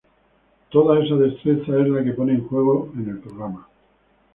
Toda esa destreza es la que pone en juego en el programa.